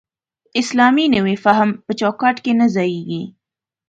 اسلامي نوی فهم په چوکاټ کې نه ځایېږي.